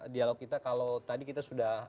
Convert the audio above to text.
dialog kita kalau tadi kita sudah